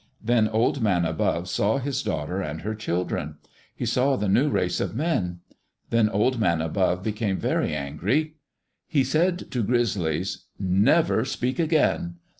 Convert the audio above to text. Then Old Man Above saw his daughter and her children. He saw the new race of men. Then Old Man Above became very angry. He said to Grizzlies: "Never speak again.